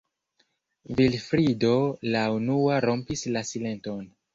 Vilfrido la unua rompis la silenton.